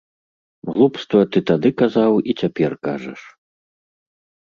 Глупства ты тады казаў і цяпер кажаш.